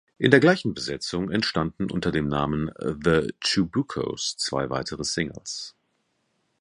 In der gleichen Besetzung entstanden unter dem Namen The Chubukos zwei weitere Singles.